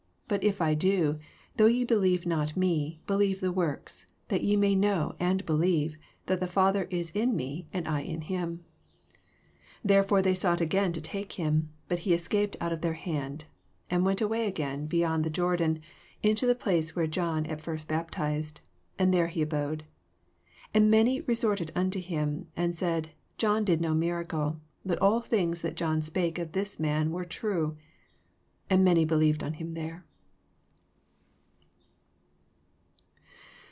38 But if I do, though ye belieye not me, believe the works : that ye may know, and believe, that the Father is in me, and I in him. 39 Tberefure they sought again to take him: but he escapee^ out of their hand. 40 And went away again beyond Jordan into the place where John at first baptized; and there ke abode. 41 And many resorted unto him, and said, John did no miracle: but all things that John spake of this man were true. 42 And many believed on him there.